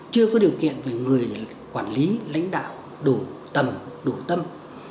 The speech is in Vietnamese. chưa có điều kiện về người quản lý lãnh đạo đủ tầm đủ tâm